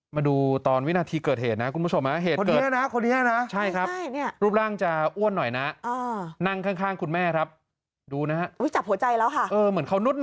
มาดูตอนวินาทีเกิดเหตุนะคุณผู้ชม